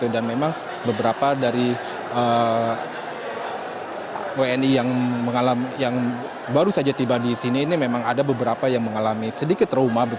dan memang beberapa dari wni yang baru saja tiba di sini ini memang ada beberapa yang mengalami sedikit trauma